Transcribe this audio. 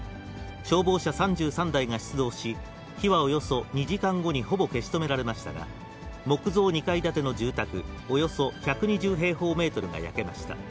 消防車３３台が出動し、火はおよそ２時間後にほぼ消し止められましたが、木造２階建ての住宅およそ１２０平方メートルが焼けました。